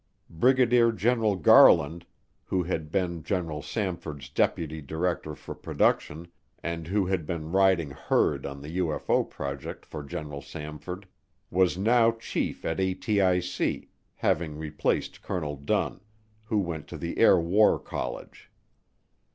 Brigadier General Garland, who had been General Samford's Deputy Director for Production and who had been riding herd on the UFO project for General Samford, was now chief at ATIC, having replaced Colonel Dunn, who went to the Air War College.